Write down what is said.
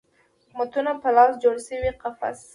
حکومتونو په لاس جوړ شوی قفس